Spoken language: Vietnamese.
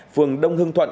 phường đông hưng thuận